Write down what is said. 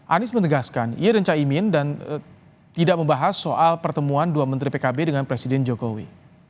anies menegaskan ia dan caimin dan tidak membahas soal pertemuan dua menteri pkb dengan presiden jokowi